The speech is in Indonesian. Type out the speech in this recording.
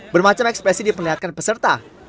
bermacam ekspresi diperlihatkan peserta